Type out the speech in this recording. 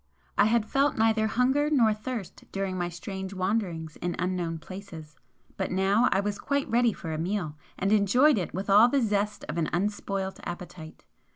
I had felt neither hunger nor thirst during my strange wanderings in unknown places, but now I was quite ready for a meal, and enjoyed it with all the zest of an unspoilt appetite.